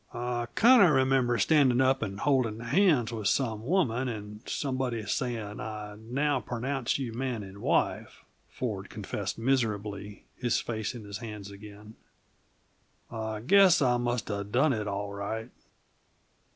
"I kinda remember standing up and holding hands with some woman and somebody saying: 'I now pronounce you man and wife,'" Ford confessed miserably, his face in his hands again. "I guess I must have done it, all right."